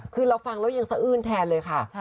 คือเราฟังแล้วยังสะอื้นแทนเลยค่ะ